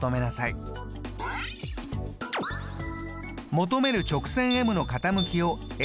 求める直線ｍの傾きを。